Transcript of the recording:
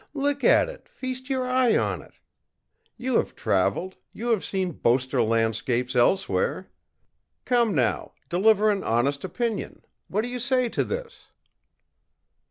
look at it! Feast your eye on it! You have traveled; you have seen boasted landscapes elsewhere. Come, now, deliver an honest opinion. What do you say to this?